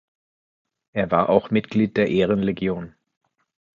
Er war auch Mitglied der Ehrenlegion.